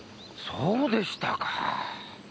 そうでしたか！